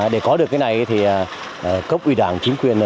để có được cái này thì cấp ủy đảng chính quyền